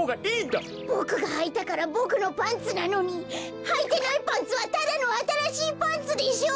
ボクがはいたからボクのパンツなのにはいてないパンツはただのあたらしいパンツでしょう！